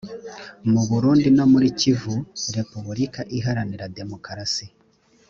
mu burundi no muri kivu repuburika iharanira demokarasi